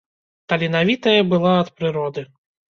Таленавітая была ад прыроды.